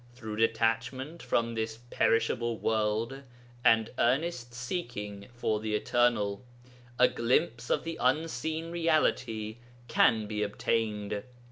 Through detachment from this perishable world and earnest seeking for the Eternal, a glimpse of the unseen Reality can be attained.